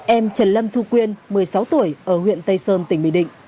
em trần lâm thu quyên một mươi sáu tuổi ở huyện tây sơn tỉnh bình định